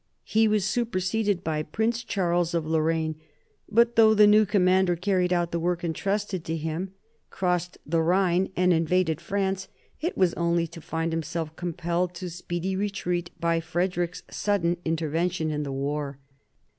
He was superseded by Prince Charles of Lorraine; but though the new commander carried out the work entrusted to him, crossed the Khine and invaded France, it was only to find himself compelled to speedy retreat by Frederick's sudden intervention in the war.